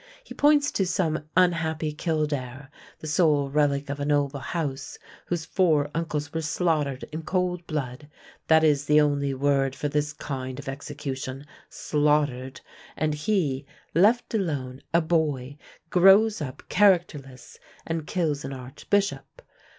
He points to some unhappy Kildare, the sole relic of a noble house, whose four uncles were slaughtered in cold blood that is the only word for this kind of execution, slaughtered and he, left alone, a boy, grows up characterless and kills an archbishop.